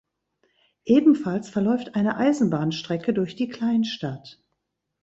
Ebenfalls verläuft eine Eisenbahnstrecke durch die Kleinstadt.